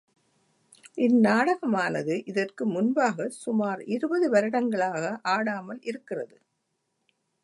இந் நாடகமானது இதற்கு முன்பாகச் சுமார் இருபது வருடங்களாக ஆடாமலிருக்கிறது.